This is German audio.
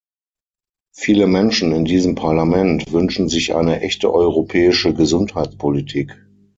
Viele Menschen in diesem Parlament wünschen sich eine echte europäische Gesundheitspolitik.